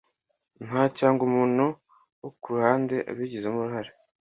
ntu cyangwa umuntu wo ku ruhande ubigizemo uruhare